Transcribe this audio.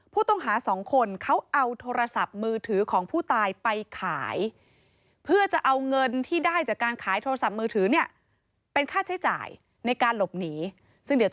ผู้ต้องหาสองคนเขาเอาโทรศัพท์มือถือของผู้ตายไปขายเพื่อจะเอาเงินที่ได้จากการขายโทรศัพท์มือถือเนี่ยเป็นค่าใช้จ่ายในการหลบหนีซึ่งเดี๋ยวจะ